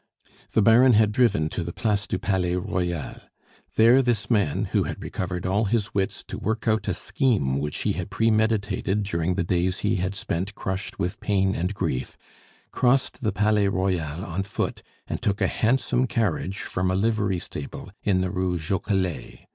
The Baron had driven to the Place du Palais Royal. There this man, who had recovered all his wits to work out a scheme which he had premeditated during the days he had spent crushed with pain and grief, crossed the Palais Royal on foot, and took a handsome carriage from a livery stable in the Rue Joquelet.